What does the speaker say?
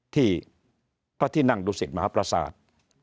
ที่พระที่นั่งดุสิตมหาพระศาสตร์